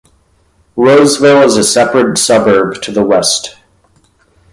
Roseville is a separate suburb to the west.